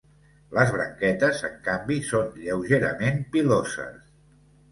Les branquetes, en canvi, són lleugerament piloses.